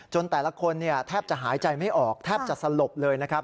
แต่ละคนแทบจะหายใจไม่ออกแทบจะสลบเลยนะครับ